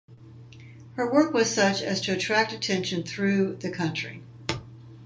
Her work was such as to attract attention through the country.